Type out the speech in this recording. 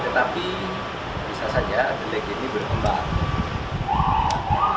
tetapi bisa saja delik ini berkembang